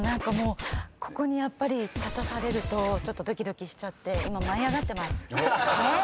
ここに立たされるとちょっとドキドキしちゃって今舞い上がってます。